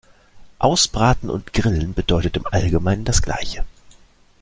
Ausbraten und grillen bedeuten im Allgemeinen das gleiche.